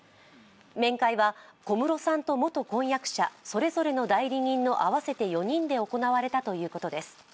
面会は小室さんと元婚約者それぞれの代理人の合わせて４人で行われたということです。